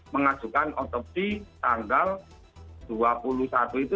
mengajukan otopsi tanggal dua puluh satu itu